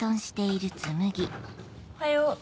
おはよう。